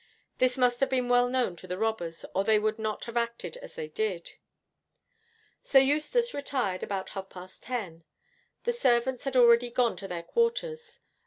This must have been well known to the robbers, or they would not have acted as they did. 'Sir Eustace retired about half past ten. The servants had already gone to their quarters.